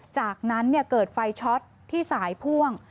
จากนั้นเกิดไฟช็อตที่สายพ่วง